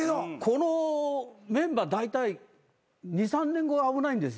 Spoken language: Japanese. このメンバーだいたい２３年後危ないんですよ。